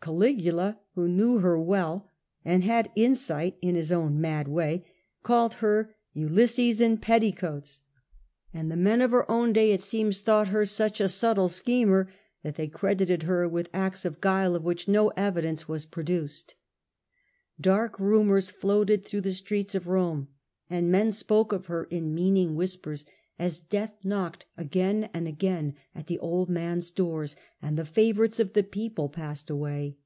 Caligula, who knew her well, and had insight in his own mad way, called her 'Ulysses in petticoats;' and the men of her own day, it seems, thought her such a ^ subtle schemer, that they credited her with her sinister acts of guile of which no evidence was pro duced. Dark rumours floated through the streets of Rome, and men spoke of her in meaning whispers, as death knocked again and again at the old man's doors and the favourites of the people passed away.